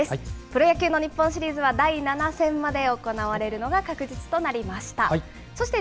プロ野球の日本シリーズは第７戦まで行われるのが確実となりました。